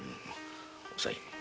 おさい。